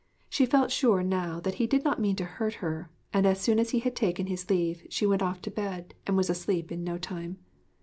She felt sure now that he did not mean to hurt her, and as soon as he had taken his leave she went off to bed, and was asleep in no time.